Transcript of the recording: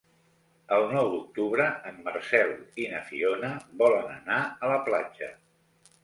El nou d'octubre en Marcel i na Fiona volen anar a la platja.